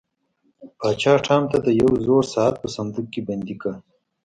پاچا ټام د یو زوړ ساعت په صندوق کې بندي کړ.